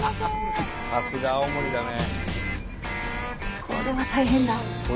さすが青森だね。